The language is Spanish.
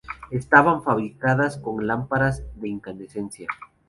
Estaban fabricadas con lámparas de incandescencia.